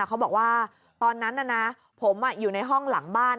เขาบอกว่าตอนนั้นผมอยู่ในห้องหลังบ้าน